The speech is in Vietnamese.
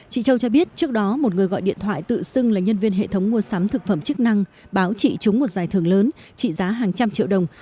chị châu cho biết trước đó một người gọi điện thoại tự xưng là nhân viên hệ thống mua sắm thực phẩm chức năng báo chị trúng một giải thưởng lớn trị giá hàng trăm triệu đồng